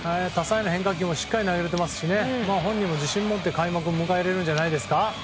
多彩な変化球もしっかり投げらえていますし本人も自信持って開幕を迎えられるんじゃないですか。